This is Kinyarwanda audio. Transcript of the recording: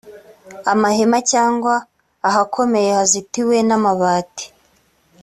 amahema cyangwa ahakomeye hazitiwe n’amabati